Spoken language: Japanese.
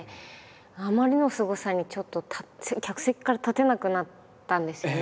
あまりのすごさにちょっと客席から立てなくなったんですよね。